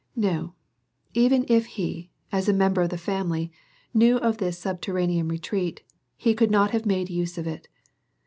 No, even if he, as a member of the family, knew of this subterranean retreat, he could not have made use of it.